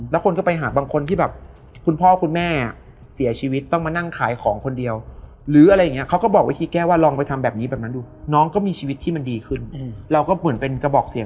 มีผู้หญิงอะลำชุยชายแบบเฮ้ย